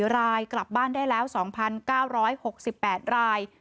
๔รายกลับบ้านได้แล้ว๒๙๖๘ราย